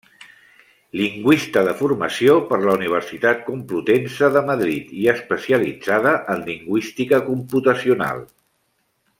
Lingüista de formació per la Universitat Complutense de Madrid i especialitzada en lingüística computacional.